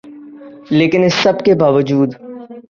لیکن اس سب کے باوجود